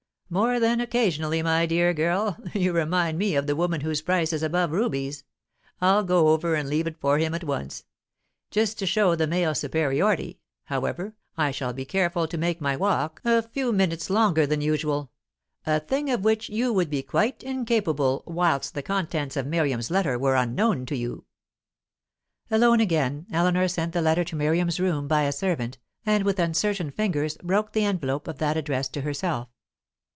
"More than occasionally, my dear girl, you remind me of the woman whose price is above rubies. I'll go over and leave it for him at once. Just to show the male superiority, however, I shall be careful to make my walk a few minutes longer than usual a thing of which you would be quite incapable whilst the contents of Miriam's letter were unknown to you." Alone again, Eleanor sent the letter to Miriam's room by a servant, and with uncertain fingers broke the envelope of that addressed to herself.